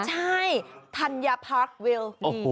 ใช่ธัญพรรควิล